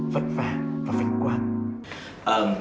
vất vả và vệnh quang